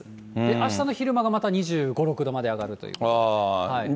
あしたの昼間がまた２５、６度まで上がるということで。